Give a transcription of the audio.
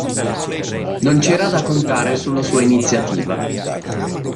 Non c'era da contare sulla sua iniziativa.